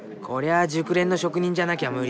あ熟練の職人じゃなきゃ無理だな。